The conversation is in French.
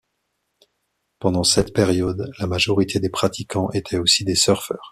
Pendant cette période la majorité des pratiquants étaient aussi des surfeurs.